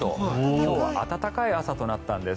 今日は暖かい朝となったんです。